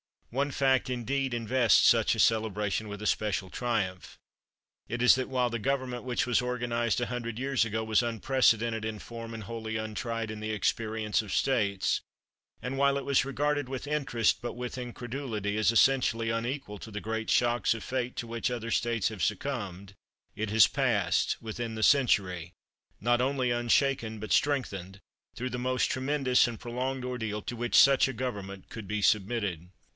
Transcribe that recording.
One fact, indeed, invests such a celebration with especial triumph. It is that while the government which was organized a hundred years ago was unprecedented in form and wholly untried in the experience of states, and while it was regarded with interest but with incredulity as essentially unequal to the great shocks of fate to which other states have succumbed, it has passed, within the century, not only unshaken but strengthened, through the most tremendous and prolonged ordeal to which such a government could be submitted.